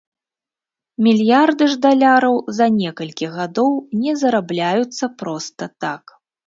Мільярды ж даляраў за некалькі гадоў не зарабляюцца проста так.